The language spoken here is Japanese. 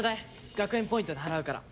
学園ポイントで払うから。